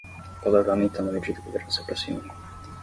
O calor vai aumentando à medida que o verão se aproxima.